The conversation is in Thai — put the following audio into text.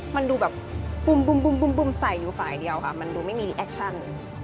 มันดูแบบปุ่มไฟเดียวค่ะมันดูไม่มีแระแอคชั่น